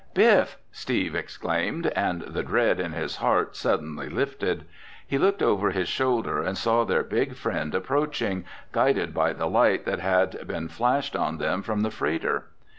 "Biff!" Steve exclaimed, and the dread in his heart suddenly lifted. He looked over his shoulder and saw their big friend approaching, guided by the light that had been flashed on them from the freighter.